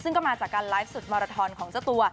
ซึ่งก็มาจากการไลฟ์สุดมาราทอนของเจ้าตัว